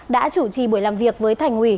đã chủ trì buổi làm việc với thành ủy